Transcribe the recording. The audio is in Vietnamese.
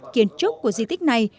kiến trúc của di tích này